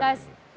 kang emil aja